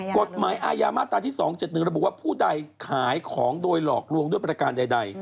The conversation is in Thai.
กฎหมายอาญามาตราที่๒๗๑ระบุว่าผู้ใดขายของโดยหลอกลวงด้วยประการใด